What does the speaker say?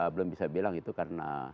belum bisa bilang itu karena